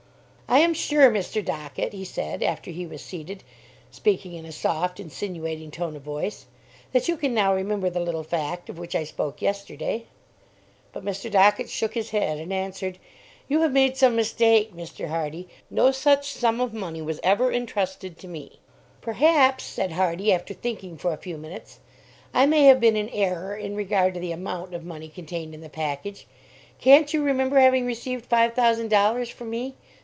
"I am sure, Mr. Dockett," he said, after he was seated, speaking in a soft, insinuating tone of voice, "that you can now remember the little fact of which I spoke yesterday." But Mr. Dockett shook his head, and answered, "You have made some mistake, Mr. Hardy. No such sum of money was ever intrusted to me." "Perhaps," said Hardy, after thinking for a few minutes, "I may have been in error in regard to the amount of money contained in the package. Can't you remember having received five thousand dollars from me?